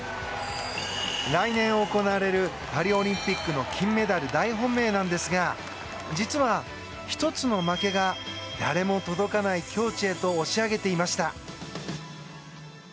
来年行われるパリオリンピックの金メダル大本命なんですが実は、１つの負けが誰も届かない境地へと押し上げていました。